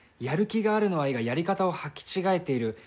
「やる気があるのはいいが」「やり方を履き違えている」